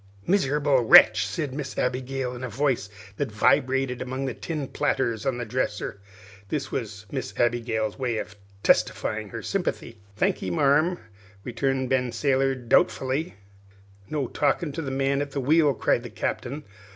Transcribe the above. "Miserable wretch!" said Miss Abigail, in a voice that vibrated among the tin platters on the dresser. This was Miss Abigail's way of testifying her sympathy. "Thankee, marm," returned Sailor Ben, doubtfully. "No talking to the man at the wheel," cried the Captain.